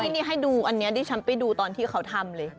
นี่ให้ดูอันนี้ดิฉันไปดูตอนที่เขาทำเลย